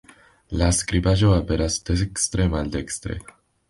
La skribaĵo aperas dekstre-maldestre.